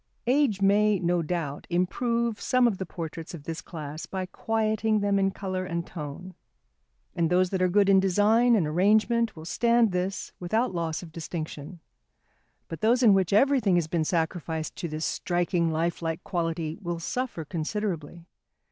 Age may, no doubt, improve some of the portraits of this class by quieting them in colour and tone. And those that are good in design and arrangement will stand this without loss of distinction, but those in which everything has been sacrificed to this striking lifelike quality will suffer considerably.